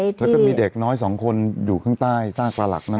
แล้วก็มีเด็กน้อยสองคนอยู่ข้างใต้ซากปลาหลักนั้น